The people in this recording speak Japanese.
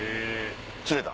釣れた？